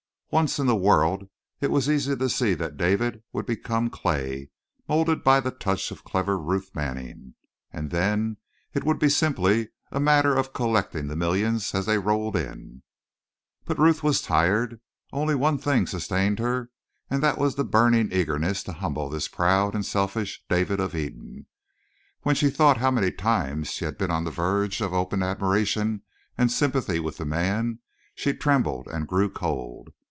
Once in the world it was easy to see that David would become clay, molded by the touch of clever Ruth Manning, and then it would be simply a matter of collecting the millions as they rolled in. But Ruth was tired. Only one thing sustained her, and that was the burning eagerness to humble this proud and selfish David of Eden. When she thought how many times she had been on the verge of open admiration and sympathy with the man, she trembled and grew cold.